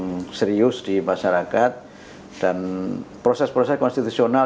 normal tidak ada ketegangan yang serius di masyarakat dan proses proses konstitusional